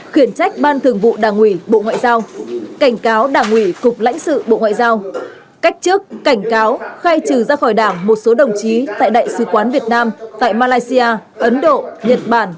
khiển trách ban thường vụ đảng ủy bộ ngoại giao cảnh cáo đảng ủy cục lãnh sự bộ ngoại giao cách trước cảnh cáo khai trừ ra khỏi đảng một số đồng chí tại đại sứ quán việt nam tại malaysia ấn độ nhật bản